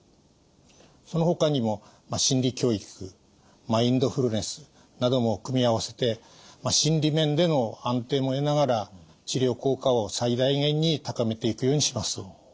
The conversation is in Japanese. そのほかにも心理教育マインドフルネスなども組み合わせて心理面での安定も得ながら治療効果を最大限に高めていくようにします。